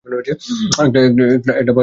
একটা পা বেড়িয়ে এসেছে।